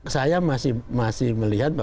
saya masih melihat